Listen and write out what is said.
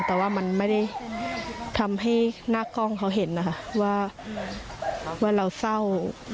แต่ว่ามันไม่ได้ทำให้หน้ากล้องเขาเห็นนะคะว่าเราเศร้า